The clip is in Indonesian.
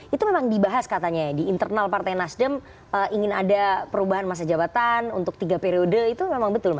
itu memang dibahas katanya ya di internal partai nasdem ingin ada perubahan masa jabatan untuk tiga periode itu memang betul